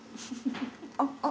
あっ。